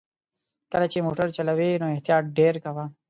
کله چې موټر چلوې نو احتياط ډېر کوه!